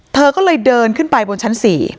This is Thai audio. เธอก็เลยเดินขึ้นไปบนชั้น๔